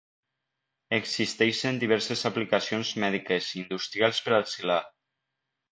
Existeixen diverses aplicacions mèdiques i industrials per al silà.